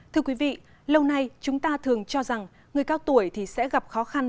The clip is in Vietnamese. thưa quý vị lâu nay chúng ta thường cho rằng người cao tuổi thì sẽ gặp khó khăn